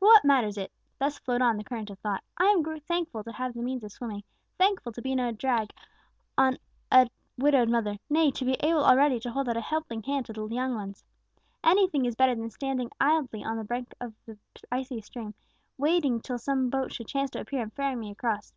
But what matters it!" thus flowed on the current of thought "I am thankful to have the means of swimming, thankful to be no drag on a widowed mother nay, to be able already to hold out a helping hand to the young ones. Anything is better than standing idly on the brink of the icy stream, waiting till some boat should chance to appear and ferry me across.